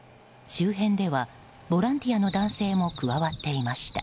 周辺ではボランティアの男性も加わっていました。